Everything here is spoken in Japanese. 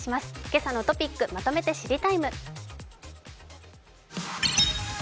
今朝のトピックまとめて「知りＴＩＭＥ，」。